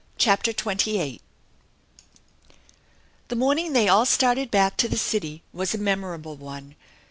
CHAPTER XXVIII THE morning they all started back to the city was a memorable one.